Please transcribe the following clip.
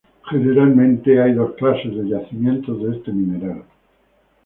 Generalmente hay dos clases de yacimientos de este mineral.